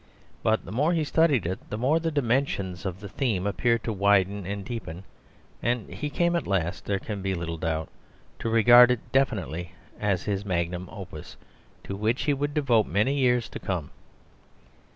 But the more he studied it, the more the dimensions of the theme appeared to widen and deepen; and he came at last, there can be little doubt, to regard it definitely as his magnum opus to which he would devote many years to come.